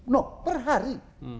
no per hari